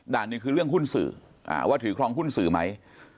หนึ่งคือเรื่องหุ้นสื่อว่าถือครองหุ้นสื่อไหม